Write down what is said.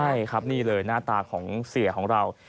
ใช่ครับนี่เลยหน้าตาของเสียของเรา